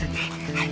はい。